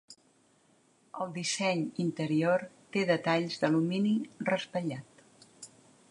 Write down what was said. El disseny interior té detalls d'alumini raspallat.